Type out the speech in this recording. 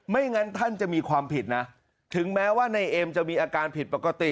งั้นท่านจะมีความผิดนะถึงแม้ว่านายเอ็มจะมีอาการผิดปกติ